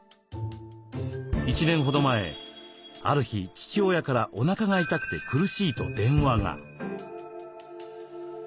１年ほど前ある日父親からおなかが痛くて苦しいと電話が。